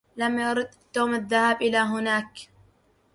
لم يرد توم الذهاب إلى هناك.